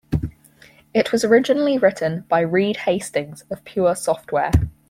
It was originally written by Reed Hastings of Pure Software.